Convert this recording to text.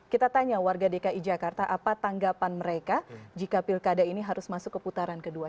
kita tanya warga dki jakarta apa tanggapan mereka jika pilkada ini harus masuk ke putaran kedua